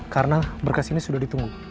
karena berkas ini sudah ditunggu